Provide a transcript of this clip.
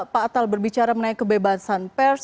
pak atal berbicara mengenai kebebasan pers